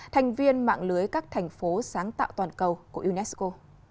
thành viên mạng lưới các thành phố sáng tạo toàn cầu của unesco